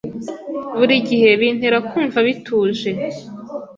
Burigihe bintera kumva bituje.